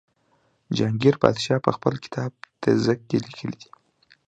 جهانګیر پادشاه په خپل کتاب تزک کې لیکلي دي.